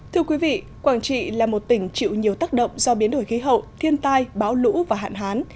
thưa quý vị quảng trị là một tỉnh chịu nhiều tác động do biến đổi khí hậu thiên tai báo lũ và hạn hán